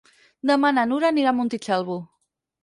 Demà na Nura anirà a Montitxelvo.